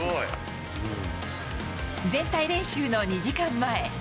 全体練習の２時間前。